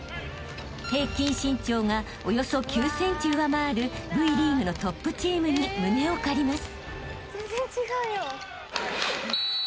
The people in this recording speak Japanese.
［平均身長がおよそ９ｃｍ上回るＶリーグのトップチームに胸を借ります］